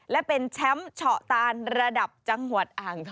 และเป็นแชมป์เฉาะตานระดับจังหวัดอ่างทอง